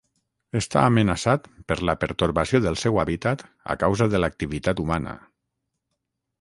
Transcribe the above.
Està amenaçat per la pertorbació del seu hàbitat a causa de l'activitat humana.